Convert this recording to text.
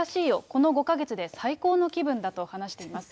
この５か月で最高の気分だと話しています。